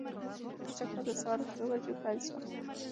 جګړه د سهار په څو بجو پیل سوه؟